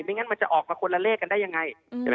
ไม่งั้นมันจะออกมาคนละเลกันได้ยังไง